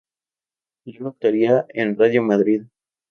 Luego actuaría en Radio Madrid.